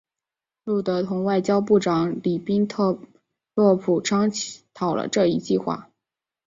路德同外交部长里宾特洛甫商讨了这一计划。